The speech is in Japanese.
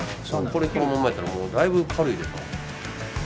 これこのままやったらもうだいぶ軽いで。